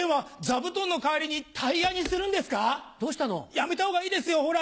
やめたほうがいいですよほら！